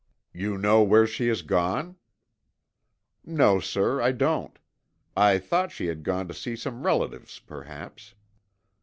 "You know where she has gone?" "No, sir. I don't. I thought she had gone to see some relatives, perhaps."